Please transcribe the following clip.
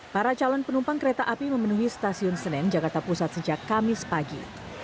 para calon penumpang kereta api memenuhi stasiun senen jakarta pusat sejak kamis pagi